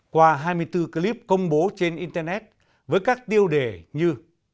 qua hai mươi bốn clip công bố trên internet với các tiêu đề như